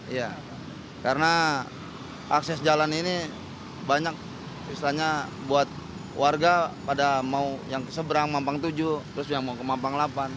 iya karena akses jalan ini banyak misalnya buat warga pada mau yang ke seberang mampang tujuh terus yang mau ke mampang delapan